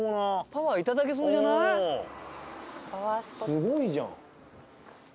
すごいじゃん。